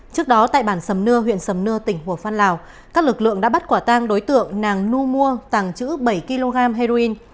trước đó tại bản sầm nưa huyện sầm nưa tỉnh hồ phan lào các lực lượng đã bắt quả tang đối tượng nàng nu mua tàng trữ bảy kg heroin